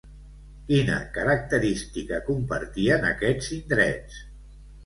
Quina característica compartien aquests indrets?